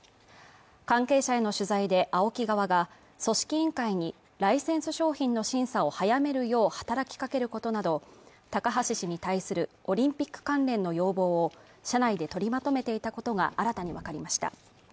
関係者への取材でＡＯＫＩ側組織委員会にライセンス商品の審査を早めるよう働きかけることなど高橋氏に対するオリンピック関連の要望を社内で取りまとめていたことが新たに分かりました